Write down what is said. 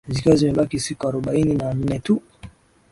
zikiwa zimebaki siku arobaini na nne tu